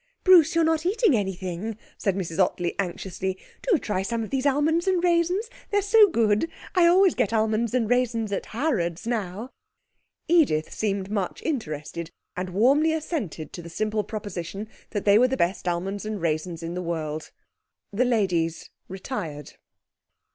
'Bruce, you're not eating anything,' said Mrs Ottley anxiously. 'Do try some of these almonds and raisins. They're so good! I always get almonds and raisins at Harrod's now.' Edith seemed much interested, and warmly assented to the simple proposition that they were the best almonds and raisins in the world. The ladies retired.